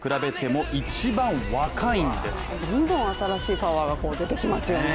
どんどん新しいパワーが出てきますよね。